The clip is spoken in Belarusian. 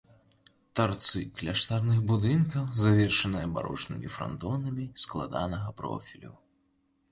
Тарцы кляштарных будынкаў завершаныя барочнымі франтонамі складанага профілю.